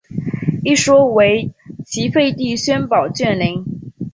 一说为齐废帝萧宝卷陵。